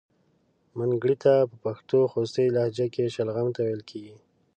منګړیته په پښتو خوستی لهجه کې شلغم ته ویل کیږي.